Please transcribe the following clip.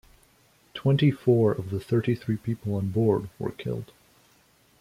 Twenty-four of the thirty-three people on board were killed.